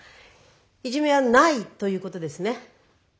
いじめはないということですね。